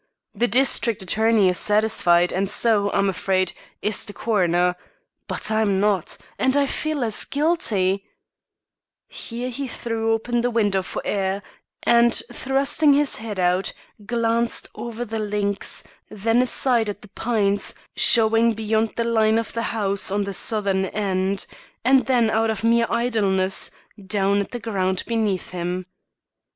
The district attorney is satisfied, and so, I'm afraid is the coroner; but I'm not, and I feel as guilty " Here he threw open the window for air, and, thrusting his head out, glanced over the links, then aside at the pines, showing beyond the line of the house on the southern end, and then out of mere idleness, down at the ground beneath him.